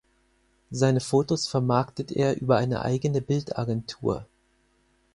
Seine Fotos vermarktet er über eine eigene Bildagentur.